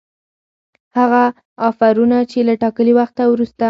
هغه آفرونه چي له ټاکلي وخته وروسته